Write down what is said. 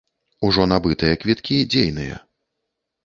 Ужо набытыя квіткі дзейныя.